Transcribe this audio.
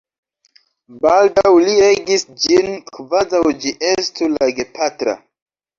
Baldaŭ li regis ĝin kvazaŭ ĝi estu la gepatra.